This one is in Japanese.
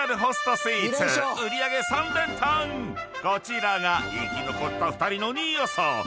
［こちらが生き残った２人の２位予想］